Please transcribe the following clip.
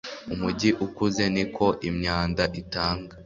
umujyi ukuze, niko imyanda itanga